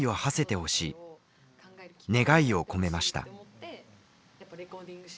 願いを込めました。